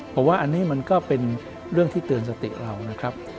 ผมว่าอันนี้มันก็เป็นเรื่องที่เตือนสติเรานะครับ